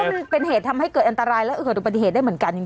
เพราะว่ามันเป็นเหตุทำให้เกิดอันตรายและเป็นอันตรายและถูกปฏิเหตุได้เหมือนกันจริง